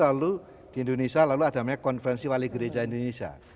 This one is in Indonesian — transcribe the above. lalu di indonesia lalu ada konferensi wali gereja indonesia